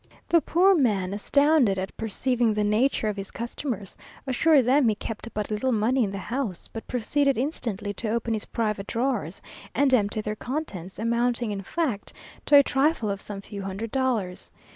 The poor man, astounded at perceiving the nature of his customers, assured them he kept but little money in the house, but proceeded instantly to open his private drawers, and empty their contents, amounting, in fact, to a trifle of some few hundred dollars.